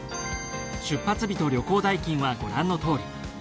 出発日と旅行代金はご覧のとおり。